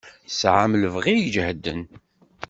Tesɛam lebɣi ijehden.